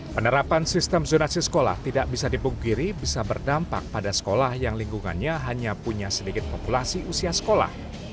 penerapan sistem zonasi sekolah tidak bisa dipungkiri bisa berdampak pada sekolah yang lingkungannya hanya punya sedikit populasi usia sekolah